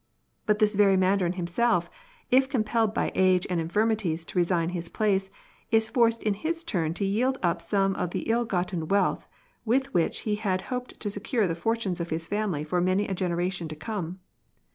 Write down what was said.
But this very mandarin himself, if compelled by age and infirmities to resign his place, is forced in his turn to yield up some of the ill gotten wealth with which he had hoped to secure the fortunes of his family for many a generation to come.